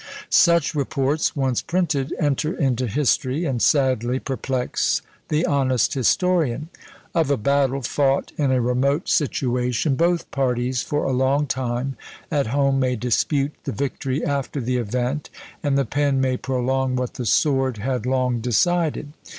Such reports, once printed, enter into history, and sadly perplex the honest historian. Of a battle fought in a remote situation, both parties for a long time, at home, may dispute the victory after the event, and the pen may prolong what the sword had long decided.